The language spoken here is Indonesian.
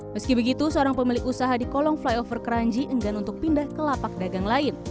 meski begitu seorang pemilik usaha di kolong flyover keranji enggan untuk pindah ke lapak dagang lain